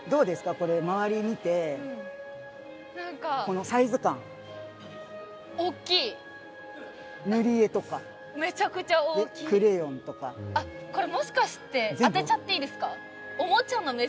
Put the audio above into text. これ周り見て何かこのサイズ感おっきい塗り絵とかめちゃくちゃ大きいでクレヨンとかあっこれもしかして当てちゃっていいですか？